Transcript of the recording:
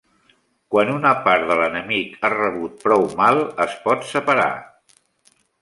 Quan una part de l'enemic ha rebut prou mal, es pot separar.